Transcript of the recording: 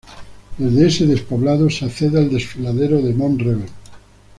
Desde este despoblado se accede al desfiladero de Mont-rebei.